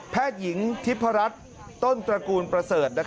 แพทย์หญิงทิพรรษต้นตระกูลประเสริฐ